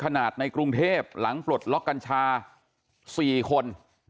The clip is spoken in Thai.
ถ้าดเศษหล่างปรดล็อกกัญชา๔คน